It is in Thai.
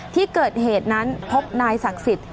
ที่เกิดเหตุนั้นพบนายศักดิ์สิทธิ์